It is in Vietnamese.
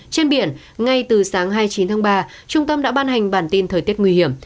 trên biển ngay từ sáng hai mươi chín tháng ba trung tâm đã ban hành bản tin thời tiết nguy hiểm